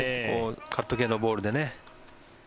カット系のボールでね。